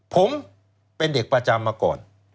ผมเป็นเด็กประจำมาก่อน